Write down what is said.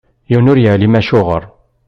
Yiwen ur yeɛlim acuɣeṛ.